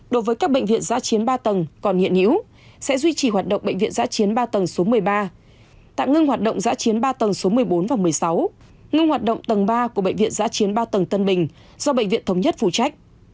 đối với các bệnh viện giã chiến ba tầng còn hiện hữu sẽ duy trì hoạt động bệnh viện giã chiến ba tầng số một mươi ba tạm ngưng hoạt động giã chiến ba tầng số một mươi bốn và một mươi sáu ngưng hoạt động tầng ba của bệnh viện giã chiến ba tầng tân bình do bệnh viện thống nhất phụ trách